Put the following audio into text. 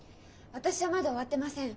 私はまだ終わってません。